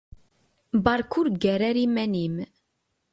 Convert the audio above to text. Beṛka ur ggar ara iman-im.